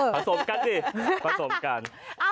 สมกันดิผสมกัน